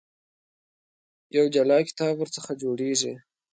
یو جلا کتاب ورڅخه جوړېږي.